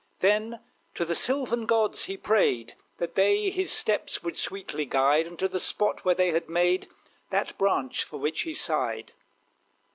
Then to the sylvan gods he prayed. That they his steps would sweetly guide Unto the spot where they had made That branch for which he sighed.